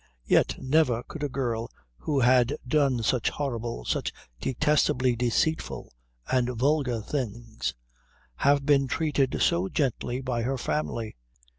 Yet never could a girl who had done such horrible, such detestably deceitful and vulgar things, have been treated so gently by her family.